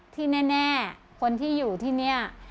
ที่แน่คนที่อยู่ที่นี่